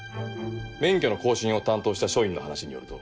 免許の更新を担当した署員の話によると。